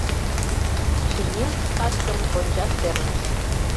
Шинель скаткым рончаш перныш.